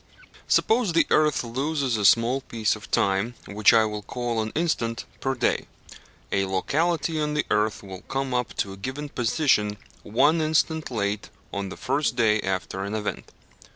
Suppose the earth loses a small piece of time, which I will call an instant, per day; a locality on the earth will come up to a given position one instant late on the first day after an event.